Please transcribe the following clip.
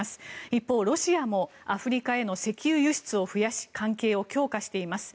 一方、ロシアもアフリカへの石油輸出を増やし関係を強化しています。